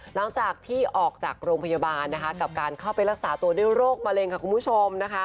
หลังจากที่ออกจากโรงพยาบาลนะคะกับการเข้าไปรักษาตัวด้วยโรคมะเร็งค่ะคุณผู้ชมนะคะ